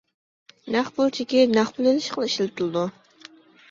نەق پۇل چېكى نەق پۇل ئېلىشقىلا ئىشلىتىلىدۇ.